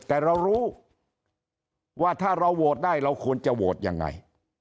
แต่เรารู้ว่าถ้าเราโหวตได้เราควรจะโหวตยังไง